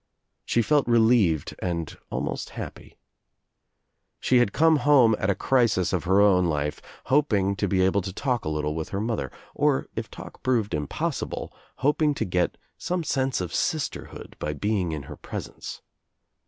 She felt relieved and almost happy. She had come home at a crisis of her own life hoping to be able to talk a little with her mother, or l84 THE TRIUMPH OF THE EGG if talk proved impossible hoping to get some sense of sisterhood by being in her presence.